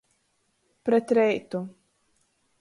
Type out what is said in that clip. Pret reitu.